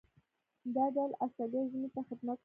دا ډول عصبیت ژبې ته خدمت نه دی.